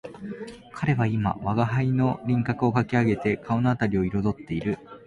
彼は今吾輩の輪廓をかき上げて顔のあたりを色彩っている